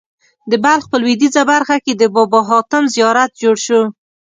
د بلخ په لوېدیځه برخه کې د بابا حاتم زیارت جوړ شو.